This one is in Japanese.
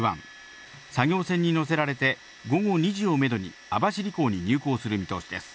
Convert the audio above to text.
作業船に乗せられて、午後２時をめどに網走港に入港する見通しです。